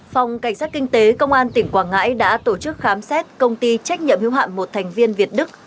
phòng cảnh sát kinh tế công an tỉnh quảng ngãi đã tổ chức khám xét công ty trách nhiệm hưu hạm một thành viên việt đức